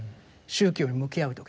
宗教に向き合う時に。